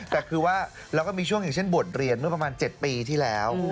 แต่คือว่าเราก็มีช่วงอย่างเช่นบวชเรียนเมื่อประมาณ๗ปีที่แล้ว